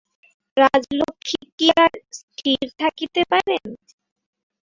রাজলক্ষ্মী কি আর স্থির থাকিতে পারেন।